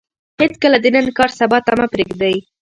هېڅکله د نن کار سبا ته مه پرېږدئ.